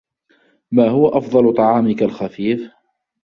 ما هو أفضل طعامك الخفيف؟